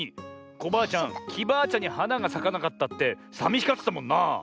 コバアちゃんきバアちゃんにはながさかなかったってさみしがってたもんな！